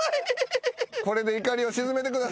これで怒りを鎮めてください。